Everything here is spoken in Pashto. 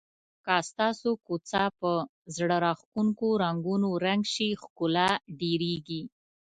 که ستاسو کوڅه په زړه راښکونکو رنګونو رنګ شي ښکلا ډېریږي.